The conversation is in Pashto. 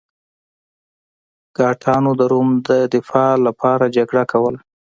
ګاټانو د روم د دفاع لپاره جګړه کوله.